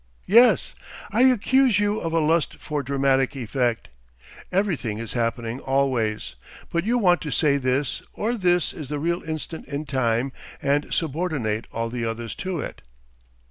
Yes—I accuse you of a lust for dramatic effect. Everything is happening always, but you want to say this or this is the real instant in time and subordinate all the others to it.